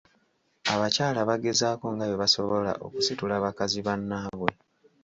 Abakyala bagezaako nga bwe basobola okusitula bakazi bannaabwe.